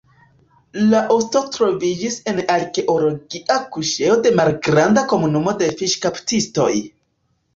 La osto troviĝis en arkeologia kuŝejo de malgranda komunumo de fiŝkaptistoj.